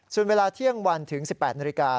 ส่วนเวลาเที่ยงวันถึง๑๘นาฬิกา